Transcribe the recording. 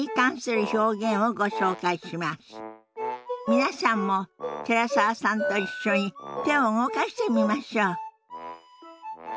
皆さんも寺澤さんと一緒に手を動かしてみましょう。